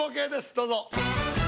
どうぞ。